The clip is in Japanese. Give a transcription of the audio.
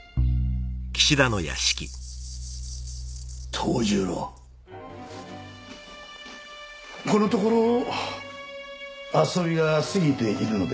藤十郎このところ遊びが過ぎているのではないか？